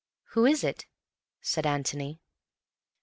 "Who is it?" said Antony.